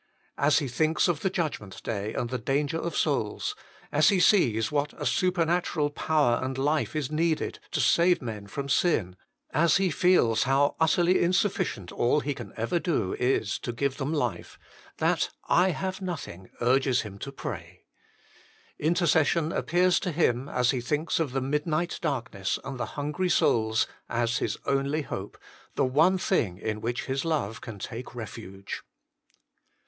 As he thinks of the judgment day and the danger of souls, as he sees what a supernatural power and life is needed to save men from sin, as he feels how utterly insufficient all he can ever do is to give them lif e, that "/ have nothing " urges him to pray. Intercession appears to him, as he thinks of the midnight darkness and the hungry souls, as his only hope, the one thing in which his love can take refuge.